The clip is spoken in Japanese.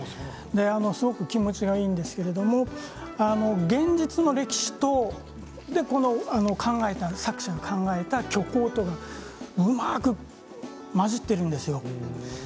すごく気持ちがいいんですけれど現実の歴史と作者が考えた虚構とがうまく混じっているんですよ。